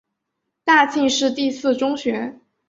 大庆市第四中学。